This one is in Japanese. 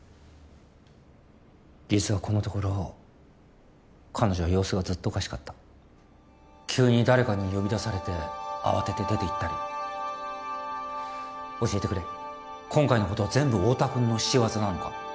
実はこのところ彼女は様子がずっとおかしかった急に誰かに呼び出されて慌てて出ていったり教えてくれ今回のことは全部太田君の仕業なのか？